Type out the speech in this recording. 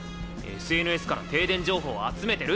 ＳＮＳから停電情報を集めてるって。